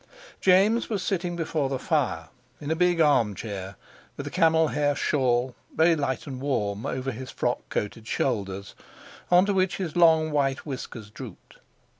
James was sitting before the fire, in a big armchair, with a camel hair shawl, very light and warm, over his frock coated shoulders, on to which his long white whiskers drooped.